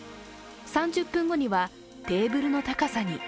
３０分後には、テーブルの高さに。